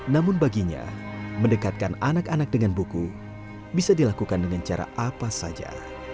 namun baginya mendekatkan anak anak dengan buku bisa dilakukan dengan cara apa saja